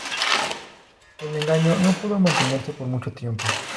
El engaño no pudo mantenerse por mucho tiempo.